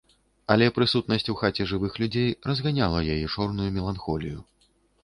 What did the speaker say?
Але прысутнасць у хаце жывых людзей разганяла яе чорную меланхолію.